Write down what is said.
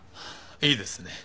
いいですね。